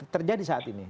terjadi saat ini